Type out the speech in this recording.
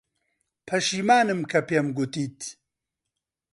پەشیمانم کە پێم گوتیت.